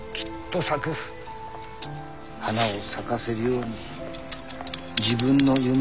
花を咲かせるように自分の夢を育ててほしい。